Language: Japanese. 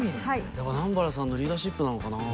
やっぱ南原さんのリーダーシップなのかなぁ？